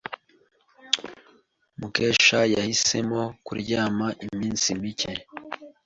Mukesha yahisemo kuryama iminsi mike.